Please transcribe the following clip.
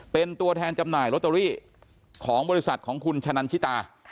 เป็นตัวแทนจำหน่ายลอตเตอรี่ของบริษัทของคุณชะนันชิตา